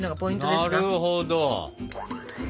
なるほど。